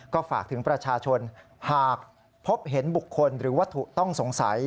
ก็ฝากถึงประชาชนหากพบเห็นบุคคลหรือวัตถุต้องสงสัย